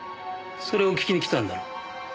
それを聞きに来たんだろ？